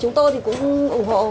chúng tôi thì cũng ủng hộ